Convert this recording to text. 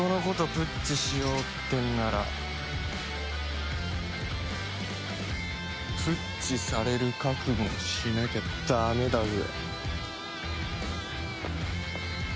プッチしようってんならプッチされる覚悟もしなきゃダメだぜ。